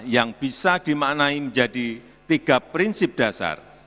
yang bisa dimaknai menjadi tiga prinsip dasar